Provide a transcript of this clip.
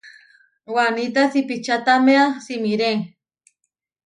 Waníta siipičataméa simiré.